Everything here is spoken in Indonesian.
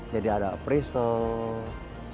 jadi ada penyelenggaraan